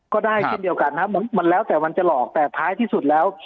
ก็ได้เช่นเดียวกันครับมันแล้วแต่มันจะหลอกแต่ท้ายที่สุดแล้ว